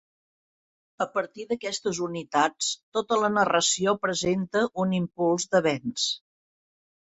A partir d'aquestes unitats, tota la narració presenta un impuls d'avenç.